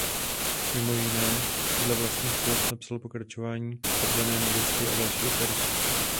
Mimo jiné dle vlastních slov napsal pokračování "Prodané nevěsty" a další opery.